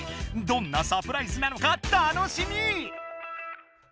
どんなサプライズなのか楽しみ！